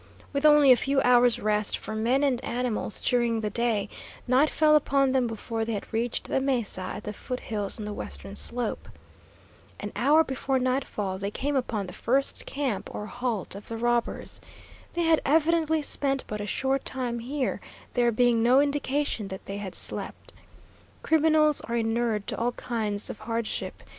With only a few hours' rest for men and animals during the day, night fell upon them before they had reached the mesa at the foot hills on the western slope. An hour before nightfall they came upon the first camp or halt of the robbers. They had evidently spent but a short time here, there being no indication that they had slept. Criminals are inured to all kinds of hardship.